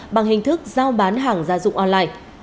bằng hình thức giao bán hàng gia dụng online